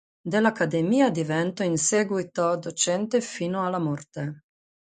Dell'Accademia diventò in seguito docente fino alla morte.